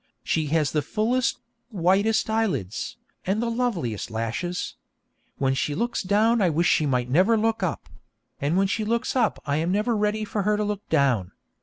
She has the fullest, whitest eyelids, and the loveliest lashes. When she looks down I wish she might never look up, and when she looks up I am never ready for her to look down.